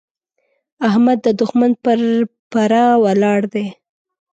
احمد د دوښمن پر پره ولاړ دی.